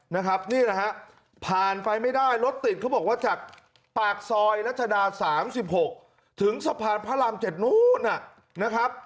นะครับนี่แหละฮะผ่านไปไม่ได้รถติดเขาบอกว่าจากปากซอยรัชดา๓๖ถึงสะพานพระราม๗นู้นนะครับ